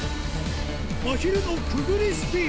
まひるのくぐりスピン